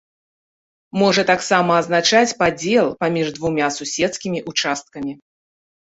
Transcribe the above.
Можа таксама азначаць падзел паміж двумя суседскімі ўчасткамі.